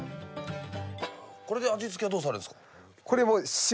これで味付けはどうされるんですか？